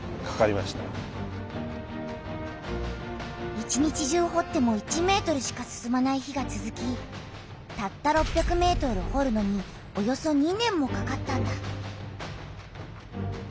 一日中ほっても１ｍしか進まない日がつづきたった６００ｍほるのにおよそ２年もかかったんだ。